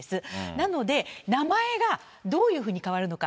なので、名前がどういうふうに変わるのか。